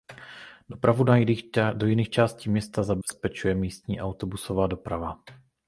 Dopravu do jiných částí města zabezpečuje místní autobusová doprava.